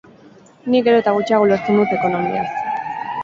Nik gero eta gutxiago ulertzen dut ekonomiaz.